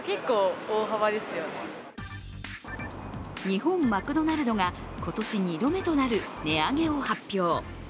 日本マクドナルドが今年２度目となる値上げを発表。